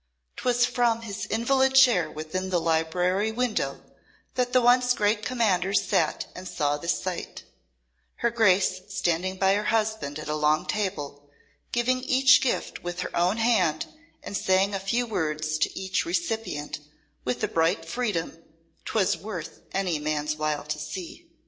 'Twas from his invalid chair within the library window that the once great Commander sate and saw this sight; her Grace standing by her husband at a long table, giving each gift with her own hand and saying a few words to each recipient with a bright freedom 'twas worth any man's while to see.